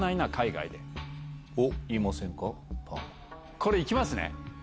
これ行きますね。